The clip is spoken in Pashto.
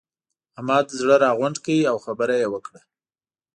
احمد زړه راغونډ کړ؛ او خبره يې وکړه.